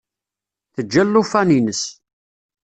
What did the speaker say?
Teǧǧa llufan-ines.